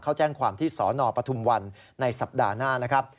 เขาแจ้งความที่สนปฐุมวันในสัปดาห์หน้านะครับ